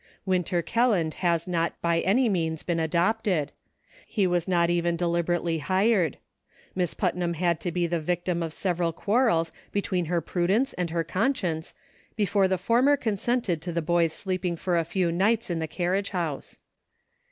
Winter Kelland has not by any means been adopted ; he was not even deliberately hired. Miss Putnam had to be the victim of several quar rels between her prudence and her conscience be fore the former consented to the boy's sleeping for a few nights in the carriage house.